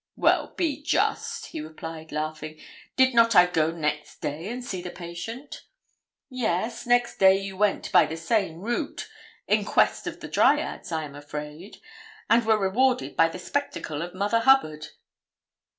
'Well, be just,' he replied, laughing; 'did not I go next day and see the patient?' 'Yes; next day you went by the same route in quest of the dryads, I am afraid and were rewarded by the spectacle of Mother Hubbard.'